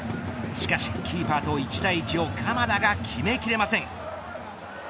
しかしキーパーとの１対１を鎌田が決めきれません。